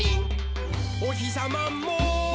「おひさまも」